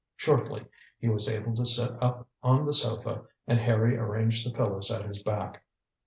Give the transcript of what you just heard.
Shortly he was able to sit up on the sofa and Harry arranged the pillows at his back.